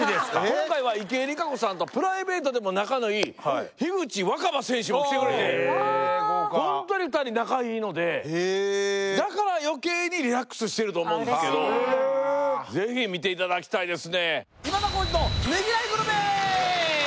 今回は池江璃花子さんとプライベートでも仲のいい樋口新葉選手も来てくれてだから余計にリラックスしてると思うんですけどぜひ見ていただきたいですねさあ